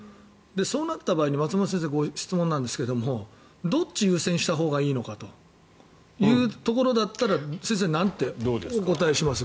そうなった場合松本先生に質問なんですがどっちを優先したほうがいいのかというところだったら先生、なんてお答えします？